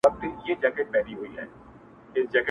خوله یې وازه کړه آواز ته سمدلاسه!!